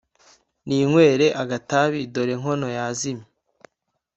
ninywere agatabi dore nkono yazimye